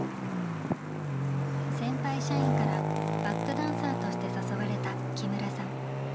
先輩社員からバックダンサーとして誘われた木村さん。